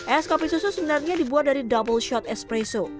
es kopi susu sebenarnya dibuat dari double shot espresso